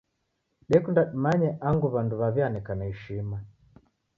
Dekunda dimanye angu w'andu w'aw'ianekana ishima.